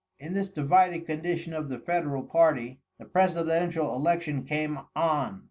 In this divided condition of the Federal party the presidential election came on.